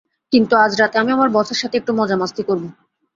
কিন্তু আজ রাতে, আমি আমার বসের সাথে একটু মজমাস্তি করবো।